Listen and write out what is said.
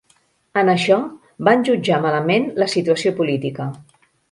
En això, van jutjar malament la situació política.